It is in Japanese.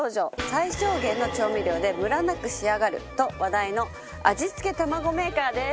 最小限の調味料でムラなく仕上がると話題の味付けたまごメーカーです。